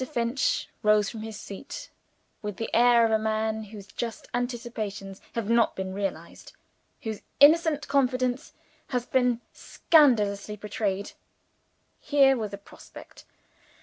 Finch rose from his seat, with the air of a man whose just anticipations have not been realized whose innocent confidence has been scandalously betrayed. Here was a prospect!